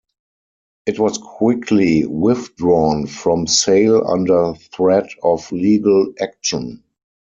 It was quickly withdrawn from sale under threat of legal action.